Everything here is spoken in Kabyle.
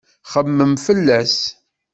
Xemmem fell-as.